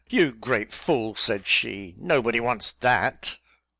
"You great fool," said she, "nobody wants that."